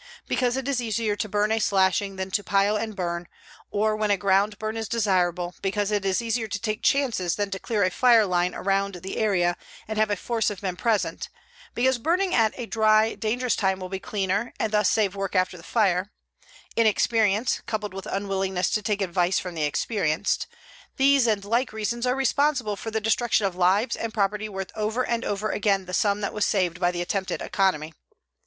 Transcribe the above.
Because it is easier to burn a slashing than to pile and burn; or when a ground burn is desirable, because it is easier to take chances than to clear a fire line around the area and have a force of men present; because burning at a dry, dangerous time will be cleaner and thus save work after the fire; inexperience, coupled with unwillingness to take advice from the experienced these and like reasons are responsible for the destruction of lives and property worth over and over again the sum that was saved by the attempted economy.